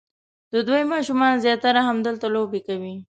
د دوی ماشومان زیاتره همدلته لوبې کوي.